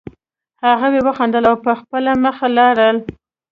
هغوی وخندل او په خپله مخه لاړل